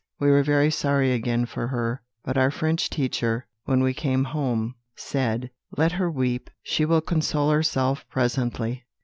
We were very sorry again for her, but our French teacher, when we came home, said, 'Let her weep; she will console herself presently.'